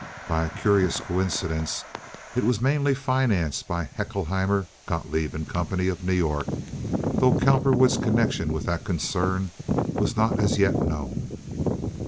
By a curious coincidence it was mainly financed by Haeckelheimer, Gotloeb & Co., of New York, though Cowperwood's connection with that concern was not as yet known.